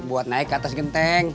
buat naik ke atas genteng